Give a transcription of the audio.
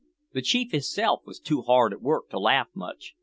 The chief hisself was too hard at work to laugh much.